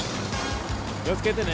気を付けてね。